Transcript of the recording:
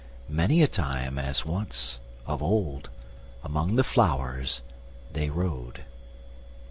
Many a time As once—of old—among the flowers—they rode.